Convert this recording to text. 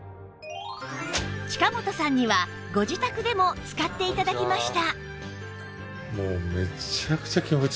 近本さんにはご自宅でも使って頂きました